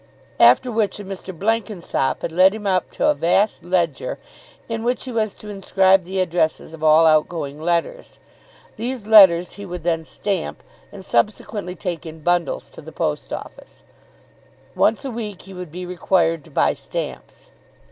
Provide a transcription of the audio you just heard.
After which a Mr. Blenkinsop had led him up to a vast ledger, in which he was to inscribe the addresses of all out going letters. These letters he would then stamp, and subsequently take in bundles to the post office. Once a week he would be required to buy stamps.